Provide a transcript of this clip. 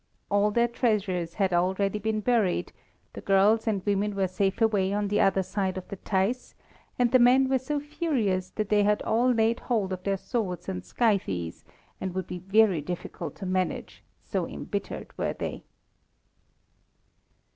All their treasures had already been buried, the girls and women were safe away on the other side of the Theiss, and the men were so furious that they had all laid hold of their swords and scythes, and would be very difficult to manage, so embittered were they.